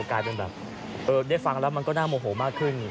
กลายเป็นแบบได้ฟังแล้วมันก็น่าโมโหมากขึ้น